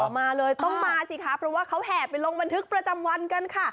รถหวอมาเลยต้องมาสิครับเพราะว่าก็แหไปลงบันทึกประจำวันกันค่ะ